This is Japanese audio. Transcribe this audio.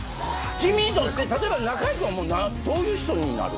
君にとって例えば中居君はどういう人になる？